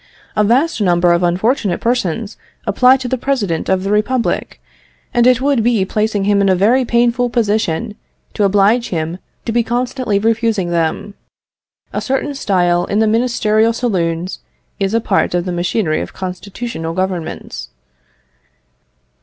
A vast number of unfortunate persons apply to the President of the Republic, and it would be placing him in a very painful position to oblige him to be constantly refusing them. A certain style in the ministerial saloons is a part of the machinery of constitutional Governments."